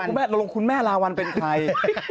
ลงทีมันคุณแม่ลาวัลเป็นใคร